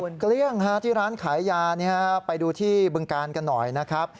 ส่วนเกลี้ยงที่ร้านขายยาไปดูที่บึงกาลกันหน่อยนะครับ